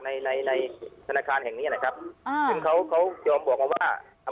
ในในธนาคารแห่งนี้แหละครับอ่าซึ่งเขาเขายอมบอกมาว่าอ่า